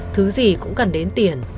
thứ gì cũng cần đến tiền